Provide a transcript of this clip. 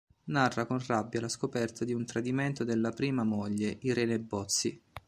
Narra con rabbia la scoperta di un tradimento della prima moglie, Irene Bozzi.